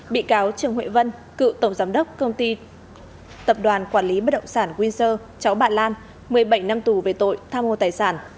bị cáo trường huệ vân cựu tổng giám đốc công ty tập đoàn quản lý bất động sản windsor cháu bạn lan một mươi bảy năm tù về tội tham mô tài sản